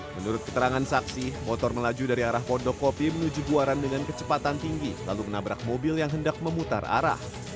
menurut keterangan saksi motor melaju dari arah pondokopi menuju buaran dengan kecepatan tinggi lalu menabrak mobil yang hendak memutar arah